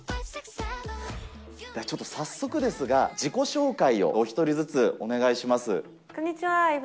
ではちょっと早速ですが、自己紹介をお１人ずつお願いします。